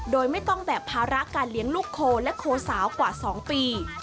โดยไม่ต้องแบกภาระการเลี้ยงลูกโคและโคสาวกว่า๒ปี